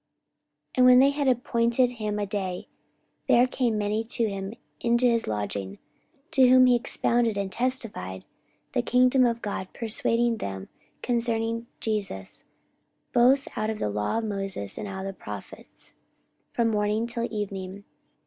44:028:023 And when they had appointed him a day, there came many to him into his lodging; to whom he expounded and testified the kingdom of God, persuading them concerning Jesus, both out of the law of Moses, and out of the prophets, from morning till evening.